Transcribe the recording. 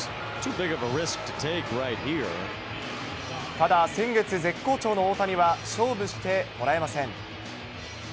ただ、先月、絶好調の大谷は、勝負してもらえません。